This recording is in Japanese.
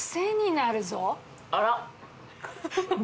あら。